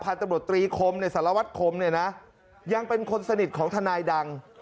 พันธบตตรีคมในสารวัฒน์คมยังเป็นคนสนิทของทนายดัง